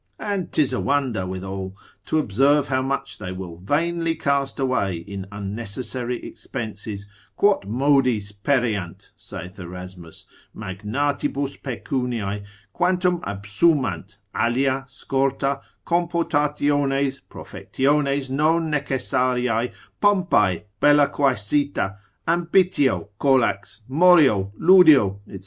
And 'tis a wonder, withal, to observe how much they will vainly cast away in unnecessary expenses, quot modis pereant (saith Erasmus) magnatibus pecuniae, quantum absumant alea, scorta, compotationes, profectiones non necessariae, pompae, bella quaesita, ambitio, colax, morio, ludio, &c.